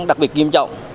đặc biệt nghiêm trọng